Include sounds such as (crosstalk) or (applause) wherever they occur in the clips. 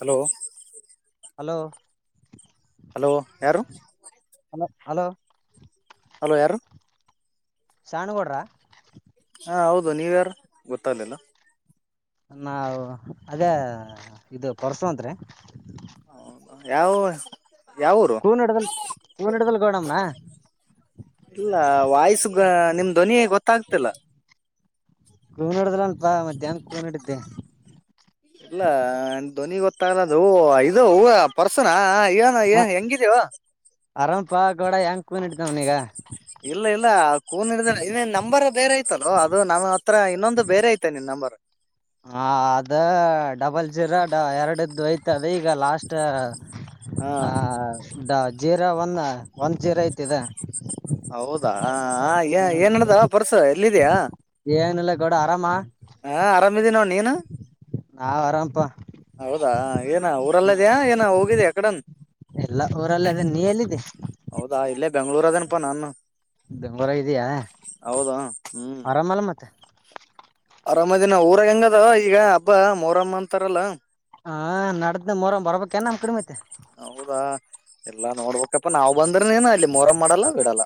Hello ಹ್. (inaudible) Hello hello ಯಾರು hello hello hello ಯಾರು ಶಾಣಗೌಡ್ರ ಹಾಂ ಹೌದು ನೀವ್ ಯಾರು ಗೊತ್ತಾಲಿಲ್ಲ ನಾವು ಅದೇ ಇದು ಪರ್ಸು ಅಂತರಿ ಹೌದು ಯಾವ ಯಾವರು ಕೂನ್ ಹಿಡ್ದಲ್ ಕೂನ್ ಹಿಡದಲ್ ಗೌಡಮ್ನ ಇಲ್ಲಾಯ ಈಗ ನಿಮ್ ಧ್ವನಿಯ ಗೊತ್ತಾಗ್ತಿಲ್ಲ ಕೂ ನಡಿದ್ರನಪಾ ಮಧ್ಯಾಹ್ನ ಕೂ ನಡಿದ್ದೆ ಇಲ್ಲ್ ಧ್ವನಿ ಗೊತ್ತ ದು ಇದು ಪರ್ಸನಾ ಅಯ್ಯನ ್ಯ ಹೆಂಗಿದೀವಾ ಆರಾಮ ಪಾ ಗೋಡ ಹೆಂಗ್ ಕೂನ್ ಇಡ್ತಾವ್ನ ಈಗ ಇಲ್ಲ ಇಲ್ಲ ಕೂನ್ಡಿದ ಇ ನಂಬರ್ ಬೇರೆ ಐತಲ್ಲೋ ಅದು ನಮ್ಮ ಹತ್ರ ಇನ್ನೊಂದು ಬೇರೆ ಐತೆ ನಿನ್ ನಂಬರ್ ಹ ಅದ ಡಬಲ್ ಜೀರಾಡ ಎರಡದು ಯ್ತದ ಈಗ ಲಾಸ್ಟ್ ಹಾ ಹಾದ ಜೀರಾ ಒಂದ ಒಂದ್ ಜೀರಾ ಐತದ ಹೌದಾ ಏನ್ಡದ ಪರ್ಸ ಆಯ್ತು ಇಲ್ಲಿದಯಾ ಏಂಗನಿಲ್ಲ ಗೌಡ ಆರಾಮಾ ಹಾ ಆರಾಮಿದೀನೋ ನೀನು ನಾವ್ ಆರಾಮಪ ಹೌದಾ ಏನ ಲ್ಲದಾ ಏನ ಹೋಗಿದಿಾಕಡ ಎಲ್ಲ ಊರಲ್ಲ ಅದೇ ನೀ ಎಲ್ಲಿದೆ ಬೆಂಳೂರ ಅದನಪ್ಪ ನ ಅಾನು ಬೆಂಗೋರ ಇದಯಾ ಆರಾಮಲ್ಲ ಮತ್ತೆ ಅರಾಮ ದಿನ ಊರಾಗ ಹೆಂಗದ ಈಗ ಹಬ್ಬ ಮೋರಮ್ಮ ಅಂತಾರಲ್ಲ ಹಾ ನಡ್ದ್ದ ಮೊರಮ್ ಬರ್ಬೇಕ ಏನ್ ನಮ ಕಡಿಮತೆ ಹೌದಾ ಎಲ್ಲಾ ನೋಡ್ಬೇಕಪ್ಪಾ ನಾವ್ ಬಂದ್ರನೇನ ಅಲ್ಲಿ ಮೊರಂ ಮಾಡಲ್ಲ ಬಿಡಲ್ಲ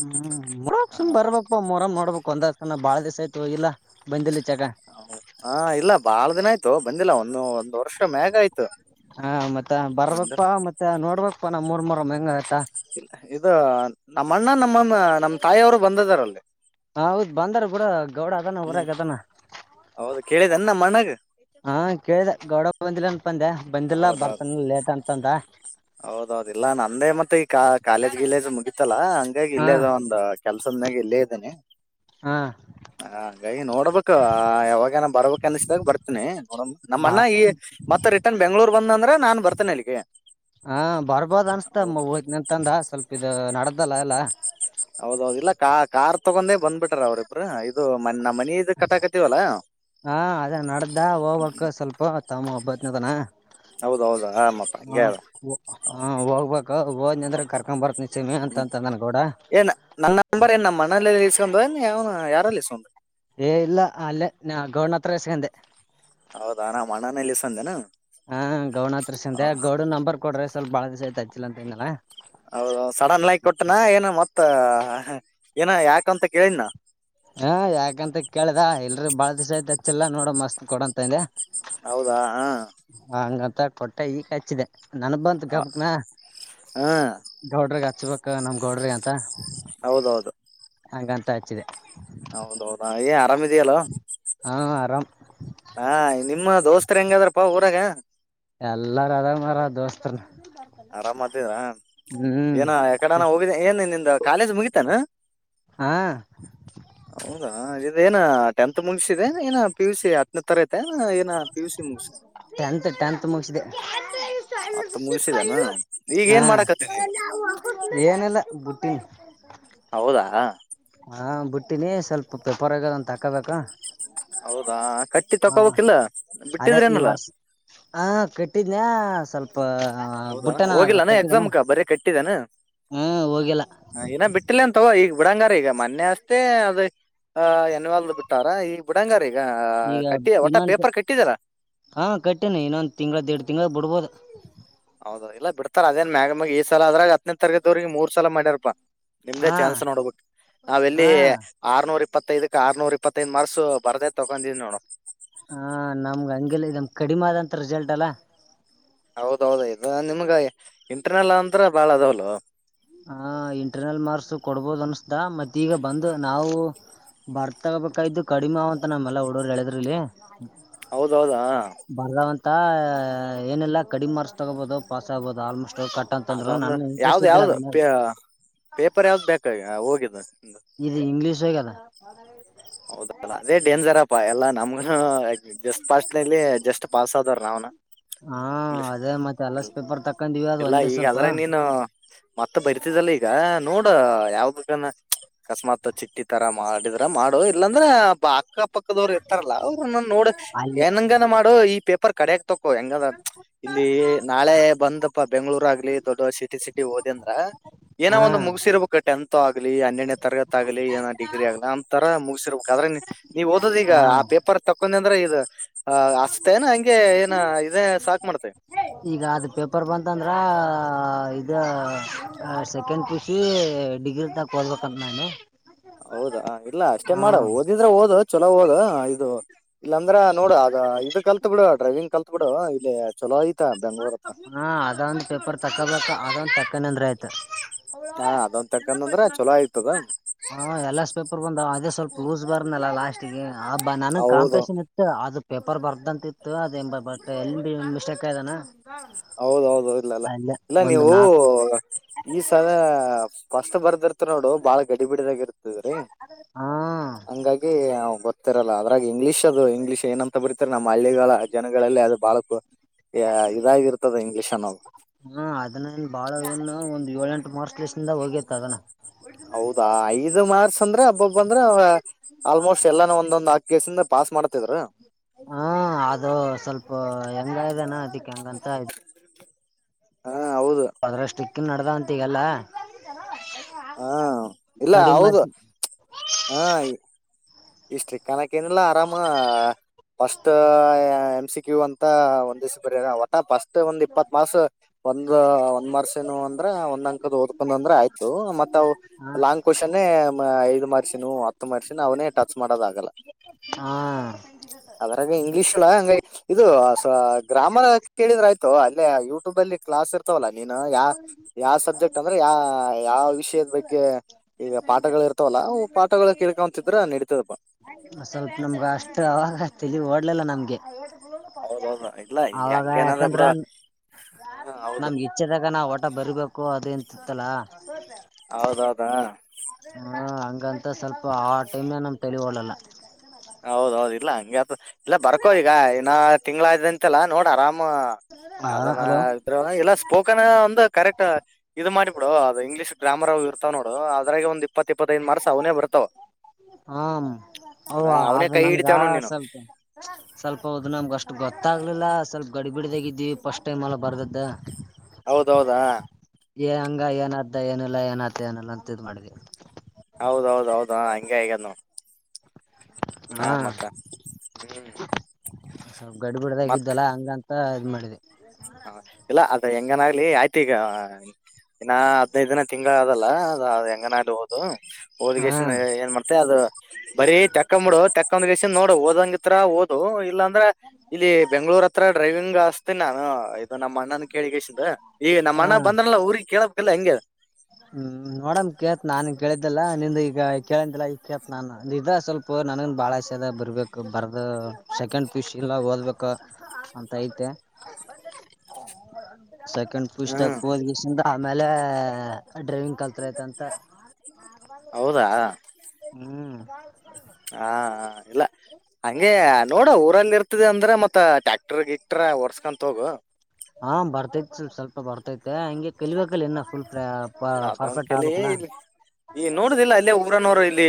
ಹ್ಮ್ ಮರಕ್ ಸುಮ್ ಹ ಬರ್ಬೇಕ ಮೊರಮ್ ನೋಡ್ಬೇಕು ಒಂದಸನ ಬಾಳ್ ಆಯ್ತು ಇಲ್ಲ ಬಂದಲಿ ಹ ಹಾ ಇಲ್ಲ ಬಾಳ ದಿನ ಆಯ್ತು ಬಂದಿಲ್ಲ ಒಂದು ಒಂದ್ ವರ್ಷ ಮ್ಯಾಗ ಆಯ್ತು ಹಾ ಮತ್ತೆ ಬಂದ ಬರ್ಬೇಕಪ್ಪಾ ಮತ್ತೆ ನೋಡ್ಬೇಕಕ್ಪ್ಪಾ ನಾ ಮೂರ್ ಮೂರ್ ಕಮೆಂಗಯತ್ತಾ ಇ ಇದು ನಮ್ಮ ಅಣ್ಣ ನಮ್ಮಮ್ಮ ನಮ್ಮ್ ತಾಯಿಯವರು ಬಂದದಾರಲ್ಲಿ ಹ ಹೌದ್ ಬಂದಾರ ಕೂಡ ಗೌಡ ಅದಾನ ಹ್ಮ್ ಹೊರಗದಾನ ಹೌದು ಕೇಳಿದನ್ ನಮ್ಮ ಅಣ್ಣಾಗ ಹಾ ಕೇಳ್ದ ಗೌಡ ಬಂದಿಲ್ಲನ್ಪಂದೆ ಹೌದೌದು ಹೌದೌದು ಇಲ್ಲ ನಂದೇ ಮತ್ತೆ ಈ ಕ ಕಾಲೇಜ್ ಗಲ್ಲೇಜ ಮುಗಿತಲ್ಲ ಹಂಗಾಗಿ ಹ ಇಲ್ಲೇ ಅದ ಒಂದ ಕೆಲ್ಸದನ್ಯಾಗ ಇಲ್ಲೇ ಇದ್ದೇನನೆ ಹ ಹ ಗೈ ನೋಡ್ಬೇಕು ಯಾವಾಗ ಏನ ಬರ್ಬೇಕ ಅನ್ಸಿದಾಗ ಬರ್ತೀನಿ ನೋಡ ನಮ್ಮ ಬಾ ಅಣ ಈ ಮತ್ತ ರ ಬಂದ್ರೆ ನಾನ್ ಬರ್ತೇನೆ ಅಲ್ಲಿಗೆ ಹಾ ಬರ್ಬೋದ್ ಅನ್ಸ್ತ ಹೌದ್ ಹತ ನಿಂತಂದ ಸ್ವಲ್ಪ ಇದ ನಡ್ದಲ್ಲ ಎಲ್ಲಾ ಹೌದೌದು ಇಲ್ಲ ಕಾರ್ ತಗೊಂಡೇ ಬಂದಬ ಬಿಟ್ರ ಅವ್ರರಿಬ್ರ ಇದು, ನಮ್ಮ ಮನದು ಕಟಾಕತವಲ್ಲ, ಮಕ್ಕ ಸ್ವಲ್ಪ ತಮ್ಮ ಹಬ್ಬತ್ನದನ ಹೌದೌದು ಹಾ ಮತ್ತ ಹ ಹಂಗೆ ಅದ ಹಾ ಹೋಗ್ಬೇಕು ಹೋದ್ನ ಅಂದ್ರೆ ಕರ್ಕೊಂಡ್ ಬರ್ತ್ ನಿ ಸಮಿ ಅಂತಂತ ನನ್ಗೌಡ ಇಸ್ಕಂದನ್ ಯ ಅವನ ಯಾರಲ್ಲಿ ಇಕೊಂಡ್ರ ಏ ಇಲ್ಲ ಅಲ್ಲೇ ನ ಗೌನ ಹತ್ರ ಎಸಗಂತೆೆ ಹೌದಾ ನಮ್ಮ ಅಣ್ಣನಲ್ಲಿ ಇಸ್ಕೊಂದೇನ ಹಾ ಗೌಣ ಹತ್ರ ಸಂತೆ ಗೌಡ್ ನಂಬರ್ ಕೊಡ್ರಿ, ಸ್ವಲ್ ಬಾಳ ದಸ ಐತ ಅಚ್ಚಿಲ್ಲ ಅಂತ ಏನಲ್ಲ, ಹೌದು ಸಡನ್ ಲೈ ಕೊಟ್ಟನಾ ಏನು ಮತ್ತ, ಹ ಏನ ಯಾಕಂತ ಕೇಳಿದನಾ? ಹಾ ಯಾಕಂತ ಕೇಳ್ದ ಇಲ್ರಿ ಬಾಳ ದಿವ್ ಯತಚ್ಚಿಲ್ಲಾ ನೋಡ ಮಸ್ತ್ ಕೊಡಂತಂದೆ. ಹೌದಾ ಹಾ ಕೊಟ್ಟ ಈಗ ಹಚ್ಚಿದೆ ನನಗ್ ಬಂತ ಗಬಕ್ನ ಹಾ ದೌಡ್ರಗ ಹಚ್ಚಚ್ಬೇಕ ನಮ್ ಗೌಡ್ರಿ ಅಂತ ಹೌದೌದು, ಹಾಗಂಗಂತ ಹಚ್ಚಿದೆ, ಹೌದೌದಾ ಏ ಆರಾಮ್ಿದಯಲ್ಲವಾ ಆರಾಮ, ಹಾ ನಿಮ್ಮ ದೋಸ್ತರ್ ಹೆಂಗಾದ್ರಪ್ಪಾ ಊರಾಗ ಎಲ್ಲಾರ ಅದ ಮರ ದೋಸ್ತನ ಆರಾಮ್ತರ ಹ್ಮ್ ಏನ ಯಕಡಾನ ಹೋಗಿದ್ದ ಏನ್ ನಿ್ದ ಕಾಲೇಜ್ ಮುಗಿತಾನ ಹಾ ಹೌದಾ ಅ ಇದೇನ ಟೆಂತ್ ಮುಗಸಿದೆ ಏನ ಪಿ ಯು ಸಿ ಹತ್ತನ ತರ ಐತೆ ಏನ ಪಿ ಯು ಸಿ ಮುಗಿಸಿ ಟೆಂತ್ ಟೆಂತ್ ಮುಗಸಿದೆ. ಹತ್ತು ಮುಗಿಸಿದೇನ ಈಗ ಹಾ ಏನ್ ಮಾಡಕತ್ತೀನಿ ಈಗ ಏನಿಲ್ಲ ಬಟ್ಟ ಹಡಿ ಹೌದಾ, ಹಾ ಬಿಟ್ಟಿನಿ ಸ್ವಲ್ಪ ಪೆಪರ್ ಆಗದಂದು ತಾಕೋಬೇಕ, ಹೌದಾ ಕಟ್ಟಿ ಹಾ ತಕೋಬೇಕಿಲ್ಲ ಅದೇ ಈ ಬಿಟ್ಟಿದ್ರೇನಲ್ಲ ವರ್ಷ ಹ ಕೆಟ್ಟಿದನಯ ಸ್ವಲ್ಪ ಹೌದಾ ಬುಟ್ಟನ ಅದ್ರ ಹೋಗಿಲ್ಲಾನ ಕಟ್ಟಿದನ ಎಕ್ಸಾಮಕ್ಕ ಬರ ಕಟ್ಟ ಟ್ಟಾನ ಹ್ಮ್ ಹೋಗಿಲ್ಲ ಏನ ಬಿಟ್ಟಿಲ್ಲ ಅಂತ ಈಗ ಬ ಬಿಡಂಗಾರಿ ಈಗ ಮೊನ್ನೆ ಅಷ್ಟೇ ಅದ ಎನ್ವಾಲ್ದ ಬಿಟ್ಟಾರ ಈಗ ಬ ಬಿಡಂಗಾರಿ ಈಗ ಇನ್ನೊಂದು ಹಾ ಕಟ್ಟನೆ ಇನ್ನೊಂದು ತಿಂಗಗಳ ದೇಡ್ಡು ತಿಂಗಳ ಬಿಡ್ಬೋದು ಹೌದೌಲ್ಲ ಬಿಡ್ತಾರ ಅದೇನ್ ಮ್ಯಾಗ ಮ್ಯಾಗ ಈ್ ಸಲ ಅದ್ರಾಗ ಹ್ನೇ ತಗದವ್ರಿಗೆ ಮೂರ್ ಸಲ ಮಾಡ್ಯಾರಪ್ಪಾ ನಿಮ್ದೇ ಹಾ ಚಾನ್ಸ್ ನೋಡ್ಬೇಕು ನಾವ ಎಲ್ಲಿ ಹಾ ಆರ್ನೂರು ಇಪ್ಪತ್ತೈದಕ್ ಆರ್ನೂರ್ ಇಪ್ಪತ್ತೈದ್ ಮರುಸು ಬರದೇ ತಗೊಂಡೀಿ ನೋಡು ಹ ನಮ್ಗ ಹಂಗೆಲ್ಲ ಇದಮ ಕಡಿಮೆ ಆದಂತ ರಿಸಲ್ಟ್ ಅಲ್ಲಾ ಹೌದೌದ ಇದು ನಿಮ್ಗ ಇಂಟರ್ನೆಲ್ ಅಂತ್ರ ಬಾಳ ಅದವಲ್ ಹ ಇಂಟರ್ನಲ್ ಮಾರ್ಕ್ಸ್ ಕೊಡ್ಬೋದು ಅನ್ಸ್ದ ಮತ್ತ ಈಗ ಬಂದು ನಾವು ಬರ್ತಗೋಬೇಕಾಯ್ದು ಕಡಿಮೆ ಅವಂತ ನಮ್ಮೆಲ್ಲ ಹುಡೋರು ಎ ಹೇಳದ್ರ ಇಲ್ಲಿ ಹೌದೌದಾ ಏನಿಲ್ಲಲ್ಲ ಕಡಿಮ ಮಾರ್ಸ್ ತಗೋಬಹುದು ಪಾಸ್ ಆಗ್ಬಹುದು ಆಲ್ಮೋಸ್ಟ್ ಕಟ್ಟ ಅಂತಂದ್ರು ಅದೊಂದು ನನ್ ಇಂಟೆಸ್ಟ್ ಯಾವ್ದ್ ಇದ್ದಿಲ್ಲ ಯಾವ್ದ್ ಅ್ರ ಪೇಪರ್ ಯಾವ್ದು ಬೇಕಾಗಿ ಹೋಗ ಬಸ್ (unintelligible) ಇದು ಇಂಗ್ಲೀಷ್ ಹೇಗ ಅದ ಹ (inaudible) ಹೌದಲ್ಲ ಅದೇ ಡೇಂಜರ್ಪಾ ಎಲ್ಲಾ ನಮ್ಗ ಜಸ್ಟ್ ಪಾಸ್ಲ್ಲಿ ಜಸ್ಟ್ ಪಾಸ್ ಆದವಾರ ನನ್ ಹಾ ಅದೇ ಮತ್ತೆ ಅಲಸ್ ಪೇಪರ್ ತಕೊಂಡಿವಿ ಅದು ಇಲ್ಲ ಒಂದೇ ಈಗ ಸ್ವಲ್ಪ ಅದ್ರ ನೀನು ಮತ್ತ ಬರಿತಿದಲ್ಲ ಈಗ ನೋ ಯಾವ್ದ ಅಕಸ್ಮಾತ್ ಚಿಟ್ಟಿ ತರ ಮಾಡಿದ ಮಾಡೋ ಇಲ್ಲಾಂದ್ರೆ ಅಕ್ಕ ಪಕ್ಕದವ್ರು ಇರ್ತಾರಲ್ಲ ಅವ್ರ ನೋಡ ಅಲ್ಲಿ ಏನಂಗನ ಮಾಡ ಈ ಪೇಪರ್ ಕಡಕ್ ತಕೋ ಹೆಂಗದ ಇಲ್ಲಿ ನಾಳೆ ಬಂದಪ ಬೆಂಗ್ಳೂರ್ ಆಗ್ಲಿ ದೊಡ್ಡ ಸಿಟಿ ಸಿಟಿ ಓದ ಅಂದ್ರ ಏನೋ ಹ ಒಂದ್ ಮುಗಸಿರ್ಬೇಕಕ್ ಟೆಂತ್ ಆಗ್ಲಿ ಹನ್ನೆನೇ ತರಗತಿ ಆಗ್ಲಿ ಏನೋ ಡಿಗ್ರಿ ಆಗ್ಲ ತರ ಮುಗಸರ್ಬೇಕು ಅ್ರೆ ನೀವು ಓದ್ ಈಗ ಹ ಆ ಪೇಪರ್ ತಕೊಂಡ ಅಂದ್ರೆ ಇದು ಹ ಅಸ್ತೆೇನಾ ಹಂಗೆ ಏನ ಇದೇ ಸಾಕ್ ಮಾಡ್ತೆ ಅಂತಂದ್ರ ಇದು ಸೆಕೆಂಡ್ ಪಿಯು ಸಿ ಡಿಗ್ರಿ ಅಂತ ಕೋಲ್ಬೇಕಂತ ನಾನು ಹೌದಾ ಇಲ್ಲ ಅಷ್ಟೇ ಹ ಮಾಡ ಓದಿದ್ರ ಓದ ಚೊಲೋ ಹೋಗ ಇದು ಇಲ್ಲಾಂದ್ರೆ ನೋಡ ಅ ಇದು ಕಲ್ತ್ ಬಿಡಡು ಡ್ರೈವಿಂಗ್ ಕಲ್ತ್ ಕೂಡ ಇಲ್ಲಿ ಚಲೋ ಆ ಹಾ ಅದ ಒಂದು ಪೇಪರ್ ತಕ್ಕಲಕ್ಕ ಅದೊಂದ ತಕ್ಕ ಕನಂದ್ರ ಆಯ್ತ ಹಾ ಅದೊಂದ ತಕಂದಂದ್ರ ಚಲೋ ಆಯ್ತದ ಹ ಎಲ್ಲ ಪೇಪರ್ ಬಂದ ಅದೇ ಸ್ವಲ್ಪ ಲೂಸ್ ಬರ್ನ್ನಲ್ಲ ಲಾಸ್ಟಿಗೆ ಆ ಬಾ ನನಗ್ ಹೌದು ಕಾಂಪಿಟೇಷನ್ ಇತ್ತು ಅದು ಪೇಪರ್ ಬರ್ದಂತಿತ್ತು ಅದ ಎ ಬಟ್ ಎಲ್ಲಿ ಮಿಸ್ಟೇಕ್ ಆದಾನ. ಹೌದೌದು ಇಲ್ಲಲ್ಲ ಇಲ್ಲ ಒಂದು ನೀವು ನಾಕ್ ಈ ಸಲ. ಕಷ್ಟ ಬರ್ದಿರ್ತ ನೋಡು ಬಾಳ ಗಡಿಬ ಬಿಡದಾಗಿತ್ತೆ. ಹ ಹಂಗಾಗಿ ಗೊ ಇರಲ್ಲದ್ರ ಇಂಗ್ಲೀಷ್ದು ಇಂಗ್ಲೀಷ್‌ ಏನಂತ ಬಿ ನಮ್ಮ ಹಳ್ಳಿಗಳ ಜನಗಳಲ್ಲಿ ಅದು ಬಹಳ ಇದಾಗಿರ್ತ್ತ. ಇಂಗ್ಲಿಷ ಅನ್ನೋದು. ಹಾ ಅದನ್ನನ್ ಬಾಳನ್ ಒಂದ್ ಏಳೆಂಟು ಮಾರಕ್ಸ್ ಹಿಂದ ಹೋಗೇತ್ತ ಅದನ. ಹೌದಾ ಐದು ಮಾರ್ಚ್ ಅಂದ್ರೆ ಹಬ್ಬೊಬ್ಬ ಅಂದ್ರ ಆಲ್ಮೋಸ್ಟ್ ಎಲ್ಲಾನ ಒಂದೊಂದ್ ಆಕ್ ಗೇಸಿಂದ ಪಾಸ್ ಮಾಡ್ತಿದ್ರ. ಹ ಅದು ಸ್ವಲ್ಪ ಹೆಂಗಾನ ಹತ್ರ ಹೌ ಅದರಷ್ಟು ಕನ್ನಡದ ಹಂತ ಗಲ್ಲ ಹಾ ಇಲ್ಲ ಹೌದು ಹಾ ಇಷ್ಟ ಕನಕ್ಕೇಂದಲ್ಲ ಆರಾಮ ಫಸ್ಟ್ ಎಮ್ ಸಿ ಕ್ಯು ಅಂತ ಒಂದ ದ್ ಬರ್ತಾವ, ಒಟ ಫಸ್ಟ್ ಮತ್ತೆ ಒಂದ್ ಇಪ್ಪತ್ ಮಾರ್ಕ್ಸ ಒಂದು ಒಂದ್ ಮರ್ಸಿನವು ಅಂದ್ರ ಒಂದ್ ಅಂಕದ ಓದ್ಕೊಂಡ್ಂದ್ರ ಆಯತು ಮತ್ವು ಲಾಂಗ್ ಕ್ವಶನ್ ಐದ್ ಮರ್ಸಿನ ಮನುಷನ್ ಅವನ ಟಚ್ ಮಾಡೋದಾಗಲ್ಲ. ಹಾ ಅದರಾಗ ಇಂಗ್ಲೀಷ್, ಹಂಗ ಇದು ಗ್ರಾಮರ್ ಕೇಳಿದ್ರ ಆಯ್ತು ಅಲ್ಲೇ ಯೂಟ್ಯೂಬ್ ಅಲ್ಲಿ ಕ್ಲಾಸ್ ಇರ್ತವಲ್ಲಾ, ನೀನು ಯಾ ಯಾವ ಸಬ್ಜೆಕ್ಟ್ ಅಂದ್ರೆ ಯಾ ಯಾವ ವಿಷಯದ ಬಗ್ಗೆ ಈಗ ಪಾಠಗಳು ಇರ್ತವಲ್ಲ, ಪಾಠಗಳು ಕೇಳ್ಕೊಂತಿದ್ರ ನಡ ಇದಪ್ಪ ಸ್ವಲ್ಪ ನಮ್ಗ ಅಷ್ಟು ಅವಾಗಶ ಓಡ್ಲಲ್ಲ ನಮ್ಗೆ ಹೌದ ಅವಾಗ ಯಾಕಂದ್ರ ಹ ಹೌದು ನಮ್ಗೆ ಇಚ್ದಾಗ ನಾವ ಓಟ ಬರ್ಬೇಕು ಅದುಂತ. ಸತ್ತಲ ಹೌದೌದಾ ಹಂಗಂತ ಸ್ವಲ್ಪ ಆ ಟೈಮ್ನ ನಮ್ ತಳಿ ಹಳಲ್ಲ. ಹೌದೌದು ಇಲ್ಲಾ ಹಂಗ ಇಲ್ಲ ಬರ್ಕೋ ಈಗ ಇನ್ನ ತಿಂಗ್ ಆ ಅಂತೆಲ್ಲ ನೋಡ್ ಆರಾಮ. ಹ ಯಾವ್ದಾನ ಹಲೋ ಇದ್ರ ಎಲ್ಲ ಸ್ಪೋಕನ್ ಒಂದು ಕರೆಕ್ಟ್ ಇದು ಮಾಡಿಬಿಡು ಅದು ಇಂಗ್ಲೀಷ್. ಗ್ರಾಮರ್ ಅವ್ ಇರ್ತಾವ ನೋಡು ಅಗೆ ಒಂದು ಇಪ್ಪತ್ತಪ್ಪತ್ತೈದೇ ಮಾರ ಸಾವನೇ ಬರ್ತಾವ. ಹೋ ಹಾ ಅವನೇ ಅದು ಕೈ ನನ್ಗ ಹಿಡಿತೇವ ನೋಡ್ ನೀನು ಸ್ವಲ್ಪ ಸ್ವಲ್ಪ ಹೌದು ನಮ್ಗ ಅಷ್ಟ. ಅಷ್ಟು ಗೊತ್ತಾಗಲಿಲ್ಲ ಸ್ವಲ್ಪ ಗಡಿಬಿಡ್ದಾಗ ಇದೀವಿ ಫಸ್ಟ್ ಟೈಮ್ಲ್ಲ ಬರ್ದ ಹೌದೌದಾ ಏ ಹಂಗ ಏನ್ದ ಏನಲ್ಲ ಏನ ಆತ ಏನಲ್ಲ ಅಂತ ಇದ್ ಮಾಡ್ ಹೌದೌದ ಹೌದು ಹಂಗಗೆ ಹಗನು ಹಾ ಹ್ಮ್ (inaudible) ಸ್ವಲ್ಪ ಗಡ್ ಮತ್ ಬಿಡದಾಗಿದ್ದಲ್ಲಾ ಹಂಗಂತ ಹ ಅದ್ ಮಾಡಿದೆ ಅ (inaudible) ಹೆಂಗನಾಗ್ಲಿ ಆಯ್ತ ಈಗ ಇನ್ನ ಹದ್ನೈದು ದಿನ ತಿಂಗ್ ಅದಲ್ಲ ಅ ಹೆಂಗನಾಗ ಹೋದು ಹಾ ಹಓದಗಿಸನ್ ಏನ್ ಮಾಡ್ತ ಅದು ಬರೀ ತಕ್ಕಂಬ ಬಿಡು ತಕ್ಕಂದ ನೋಡು ಓದಂಗಿತ್ರ ಓದು ಇಲ್ಲಾಂದ ದ್ರ ಇಲ್ಲಿ ಬೆಂಗ್ಗಳೂರ್ ಹತ್ರ ಡ್ರೈವಿಂಗ್ ಸ್ತೆ ನ ಹಾ ಇದು ನಮ್ಮ ಅಣ್ಣನ ಕೇಳ್ಗಿಶನಂದ್ ಈಗ ನಮ್ಮ ಹಾ ಅಣ್ಣ ಬಂದ್ರಲ್ಲ ಊರಿಗ್ ಕೇಳಕ್ ಇಲ್ಲ ಹೆಂಗಗೆಳ್ ಹ್ಮ್ ನೋಡಮ ಕೇತ್ ನಾನ್ ಕೇಳಿದ್ದಲ್ಲಾ ನಿಂದ ಈಗ ಕೇಳಂದಿಲ್ಲ ಈ ಕೇಳ್ತಿನ್ ನಾನ್ ಇದ ಸ್ವಲ್ಪ ನನ್ಗನ್ ಬಾಳ ಆಸೆ ಅದ ಬರ್ಬೇಕು ಬರ್ದ ಸೆಕೆಂಡ್ ಪಿಯುಷಿ ಲ್ಲ ಓದ್ಬೇಕ ಅಂತ ಐತೆ ಸೆಕೆಂಡ್ ಹ್ಮ್ ಪುಸ್ತಕ ಓದಗಿಸಿಂದ ಆಮೇಲೆ ಡ್ರೈವಿಂಗ್ ಕಲತ್ ಹತ್ರ ಐತಂತ (inaudible) ಹೌದಾ ಹಾ ಹ್ಮ್ ಹಾ ಇಲ್ಲ ಹಗೆ ನೋಡ ಊರಲ್ಲಿ ಇರ್ತದೆ ಅಂದ್ರೆ ಮತ್ತಕ್ ಇಟ್ರಗ್ ಇಟ್ಟ್ರ ಒರ್ಸ್ಕೊಂತ ಹೋಗ ಹಾ ಬರ್ತೈತ್ ಸ್ಲ್ ಸ್ವಲ್ಪ ಬರ್ತೈತೆ ಹಂಗೆ ಕಲಿಬೇಕಲ್ಲ ಎನ್ನ ಫುಲ್ ಲಾಭನ್ ಪರ್ಫೆಕ್ಟ್ ಕಲಿ ಆಗ್ಬೇಕಲ್ಲ ಇ ಈ ನೋಡುದಿಲ್ಲ ಅಲ್ಲೇ ಉಬ್ರನೋರು ಇಲ್ಲಿ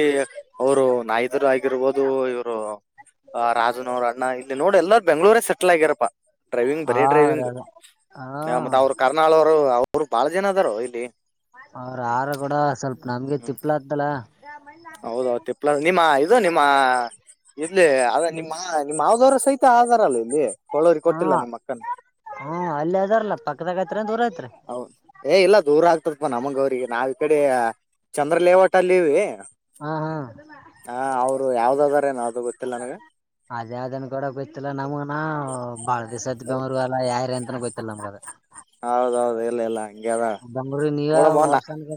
ಅವರು ನಾಯಿದರು ಆಗಿರ್ಬೋದು ಆ ರಾಜನ ಅವ್ರ ಅಣ್ಣ ನೋಡಿ ಎಲ್ಲರೂ ಬೆಂಗಗಳೂರ ಸೆಟಲ್ ಆಗಿರಪ್ಪ ಡ್ರೈವಿಂಗ್ ಆ ಬರೀ ಅವ್ರ ಡ್ರೈವಿಂಗ್ ಹ ಮತ್ತ ಅವರು ಕರ್ನಾಳವರು ಅವರು ಬಾಳ ಜನ ಅದಾರ ಇಲ್ಲಿ ಅವ್ರ ಆಹಾರ ಕೂಡ ಸ್ವಲ್ಪ ನಂಗೆ ತಿಪ್ಲಾಂತಲ್ಲ ಹೌದೌ ತಿಪ್ಪಳ ನಿಮ್ಮ ಇದು ನಿಮ್ಮ ಇಲ್ಲಿ ನಿಮ್ಮ ನಿಮ್ಮ್ದವರ ಸಹಿತ ಆಗ ವಲ ಇಲ್ಲಿ ಕೊಳ್ಳೋರಿ ಹಾ ಕೊಟ್ಟಿಲ್ಲ ನಿಮ್ಮ ಅಕ್ಕನ ಹ್ಮ ಅಲ್ಲಿ ಅದಾರಲ್ಲ ಪಕ್ಕದಾಗೈತ್ರ ದೂರ ಆಯತ ಹೌದ ಏ ಇಲ್ಲ ದೂರ ಆಗ್ತತ್ಪ್ಪ ನಮಂಗ ಅವ್ರಿಗೆ ನಾವ್ ಈ ಕಡೆ ಚಂದ್ರ ಲೇವಟ ಅಲ್ಲಿವಿ ಹಾ ಹಾ ಹ ಅವರು ಯಾವ್ದಾದ ಟುಡುಮ್ (unintelligible) ಅದೇ ಅದನ್ ಕೂಡ ಗೊತ್ತಿಲ್ಲ ನಮಗನ ಬಾಳ ದಸದ ಬರು ಎಲ್ಲ ಯಾರ ಅಂತನ ಗೊತ್ತಿಲ್ಲ ನಮ್ಗದ ಹೌದೌದು ಇಲ್ಲ ಎಲ್ಲ ಬಂಗರಿ ನೀರಾ ವರ್ಸನ್ಕ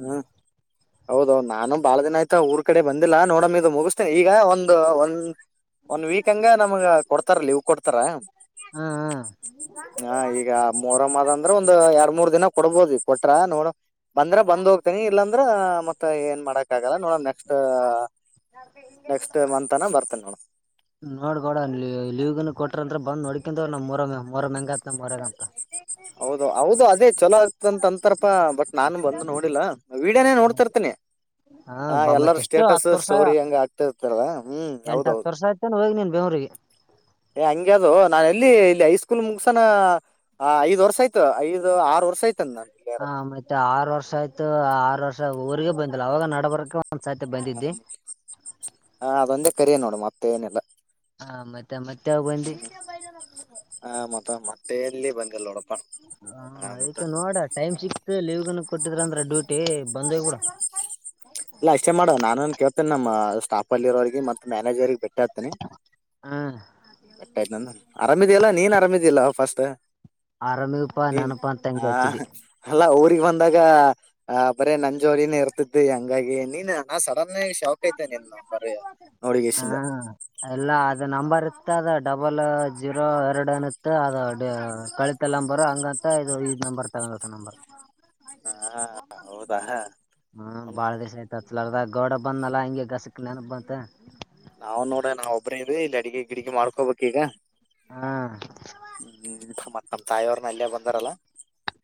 ಹೌದೌ ನಾನು ಬಾಳ ದಿನ ಆಯ್ತ ಊರ್ ಕಡೆ ಬಂದಿಲ್ಲ ನೋಡಮ್ಮ ಇದು ಮುಗಿಸತೇನೆಿ ಈಗ ಒಂದು್ ಒಂದ್ ಒಂದ ವೀಕ್ ಹಂಗ ನಮ್ಗ ಕೊಡ್ತಾರ ಲೀವ್ ಕೊಡ್ತಾರ ಹ್ಮ್ ಹ ಈಗ ಮೊರಮ್ಮದಂತ ಅಂದ್ರ ಒಂದಂದು ಎರಡ್ ಮೂರ್ ದಿನ ಕೊಡ್ಬೋದು ಕೊಟ್ರ ನೋಡ ಬಂದ್ರ ಬಂದ್ ಹೋಗ್ತನಿ ಇಲ್ಲಾಂದ್ರ ಮತ್ತ ಏನ್ ಮಾಡಕ್ ಆಗಲ್ಲ ನೋಡಮ್ ನೆಕ್ಸ್ಟ್ ನೆಕ್ಸ್ಟ್ ಮಂತನ ಬರ್ತೇನಿ ನೋಡ ನೋಡ್ಕೊಡ ಲೀವ್ ಕೊಟ್ರಂತ್ರ ಬಂದ್ ನೋಡಿ ಕಂತು ಮರೋ ಮರೋ ಎಂಂಗತ್ತ ಹೌದು ಹೌದು ಅದೇ ಚಲೋ ಇಂತ ಅಂತಾರಪಾ ಬಟ್ ನಾನು ಬಂದು ನೋಡಿಲ್ಲ ವಿಡಿಯೋನೇ ನೋಡ್ತಿರ್ತನಿ ಹಾ ಆ ಬ ಎಲ್ಲಾರ ಮತ್ತ ಎಷ್ಟು ಸ್ಟೇಟಸ್ ಹತ್ತು ವರ್ಷ ಸ್ಟೋರಿ ಹೆಂಗ ಆಗ್ತಿರ್ತಾರಲ್ಲ ಹ್ಮ್ ಹೌದೌದು ಬೆಂರಿಗೆ ಹಂಗಗೆ ಅದು ನಾನ ಎಲ್ಲಿ ಇಲ್ಲಿ ಐಸ್ ಕೂಲ್ ಮುಗಸಾನ ಹ ಐದ ವರ್ಷ ಆಯ್ತು ದು ಆರುರ್ಷ ಆಯತು ಹ ಮತ್ತೆ ಆರು ವರ್ಷ ಆಯ್ತು ಆರು ವರ್ಷ ಅವಊರಿಗೆ ಬಂದಿಲ್ಲ ಅವಾಗ ನಡಬರಕ್ಕೆ ಹಾ ಹ ಅದೊಂದೇ ಕರ ನೋಡು ಮತ್ತೆ ಏನೆಲ್ಲ ಹಾ ಮತ್ತೆ ಮತ್ತೆಾವ ಬಂದು ಡೆಲ್ಲಿಿ ಬನ್ಕಲ್ಲೋಣ ಹ ಅದಕ್ಕೆ ನೋಡ ಟೈಮ್ ಸಿಕ್ತ ಲೀವ್ನ ಕೊಟ್ಟಿದ್ರ ಅಂದ್ರ ಡ್ಯೂಟಿ ಬಂದೇ ಕೂಡ ಇಲ್ಲ ಅಷ್ಟೇ ಮಾಡ ನಾನನ್ ಕೇಳ್ತೇನೆ ನಮ್ಮ ಸ್ಟಾಫ ಅಲ್ಲಿರೋರಿಗೆ ಮ್ಯಾನೇಜರ್ರಿಗೆ ಬಿಟ್ಟು ಬ ಆ್ತನ ಹ್ಮ ಬಟ್ಟ ಆಯ್ತ ಆರಾಮ್ಿದಲ್ಲ ನೀನ್ ಆರಾಮಿದಿಲ್ಲ ಫಸ್ಟ್ ಆರಾಮಿಗಪ್ಪಾ ನೀನ್ ನಾನಪಾ ಅಂತ ಹ ಹಂಗೆ ಹಚ್ಚಿದಿ ಅಲ್ಲ ಅವಊ್ರಿಗೆ ಬಂದಾಗ ಹಾ ಬರೇ ನನ್ ಜೋರಿನ ಇರ್ತಿದ್ದಿಂಗ ಹಂಗಾಗಿ ನೀನ್ ನಾ ಸಡನ್ ಶಾಕ್ ೈತನೆ ಇಲ್ಲ ಬರ ಹಾ ನೋಡಿಗೆಿಂದ ಎಲ್ಲ ಅದ ನಂಬರ್ ಇತ್ತ ಅದ ಡಬಲ್ ಜೀರೋ ಎರಡು ಅನತ್ತ ಅದ ಕಳಿತ ನಂಬರ್ ಹಂಗಂತ ಇದು ಇ್ ನಂಬರ್ ತಗೊಂಡ ನಂಬರ್ ಹಾ ಹೌದಾ ಹ ಹ ಗೋಡ ಬಂದನಲ್ಲಾ ಹಂಗೆ ಗಾಸಕ್ಕೆಲ ಬಂತೆ ನಾವ್ ನೋಡ ನಾವ್ ಒಬ್ಬ್ರ ಇ್ ಇಲ್ಲಿ ಅಡಿಗೆ ಗಿಡಿಗೆ ಮಾಡ್ಕೋಬೆಕ್ ಈಗ ಹಾ ಹ್ಮ್ ಮತ್ತ ನ ತಾಯೋರು ಅಲ್ಲೆಯ ಬಂದಾರಲ್ಲ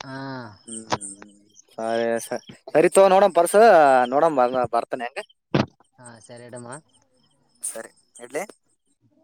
ಹಾ ಹ್ಮ್ ಹ್ಮ ಹ್ಮ್ ಸರಿ ಸ ಸರಿತೊವ ನೋಡಣ ಪರ್ಸ ನೋಡ ಬರ್ತಾನ ಹೆಂಗ ಹಾ ಸರಿಡಮ್ಮ ಇಡ್ಲಿ